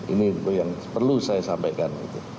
ini yang perlu saya sampaikan